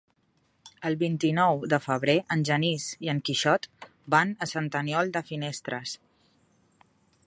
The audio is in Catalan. El vint-i-nou de febrer en Genís i en Quixot van a Sant Aniol de Finestres.